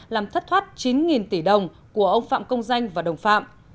làm thất thoát chín tỷ đồng của ông phạm công danh và đồng phạm